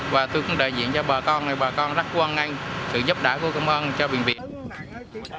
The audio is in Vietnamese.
và tôi cũng đại diện cho bà con bà con rất quân anh sự giúp đỡ và cảm ơn cho bệnh viện